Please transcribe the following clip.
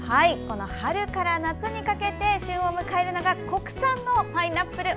春から夏にかけて旬を迎えるのが国産のパイナップル。